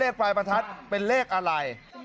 ปลายประทัดเป็นเลขอะไร